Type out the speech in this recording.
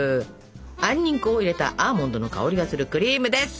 杏仁粉を入れたアーモンドの香りがするクリームです。